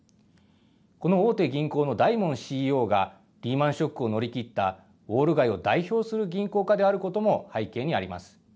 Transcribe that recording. この大手銀行のダイモンＣＥＯが、リーマンショックを乗り切った、ウォール街を代表する銀行家であることも背景にあります。